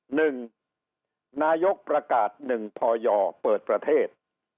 หนึ่งนายกประกาศหนึ่งพอยเปิดประเทศ